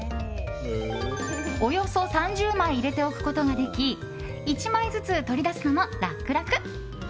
およそ３０枚入れておくことができ１枚ずつ取り出すのも楽々。